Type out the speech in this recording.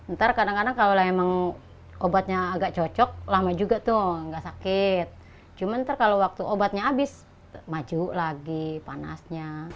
ntar kadang kadang kalau emang obatnya agak cocok lama juga tuh nggak sakit cuma ntar kalau waktu obatnya habis maju lagi panasnya